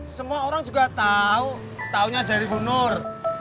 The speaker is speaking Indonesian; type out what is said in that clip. semua orang juga tahu tahunya jadi gunur